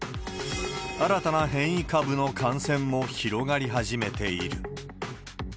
新たな変異株の感染も広がり始めている。